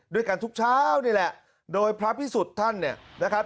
ด้วยกันทุกเช้านี่แหละโดยพระพิสุทธิ์ท่านเนี่ยนะครับ